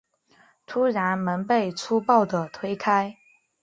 突然门被粗暴的推开